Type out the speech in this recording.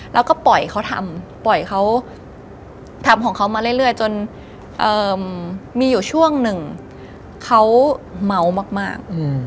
แล้วก็ปล่อยเขาทำปล่อยเขาทำของเขามาเรื่อยจนมีอยู่ช่วงหนึ่งเขาเมามาก